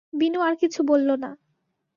বিনু আর কিছু বলল না।